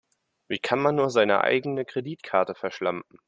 Wie kann man nur seine eigene Kreditkarte verschlampen?